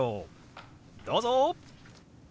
どうぞ！